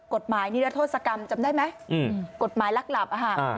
กฎหมายนิรัตธสกรรมจำได้ไหมกฎหมายลักหลับ